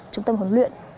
trung tâm huấn luyện